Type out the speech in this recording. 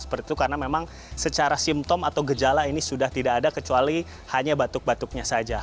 seperti itu karena memang secara simptom atau gejala ini sudah tidak ada kecuali hanya batuk batuknya saja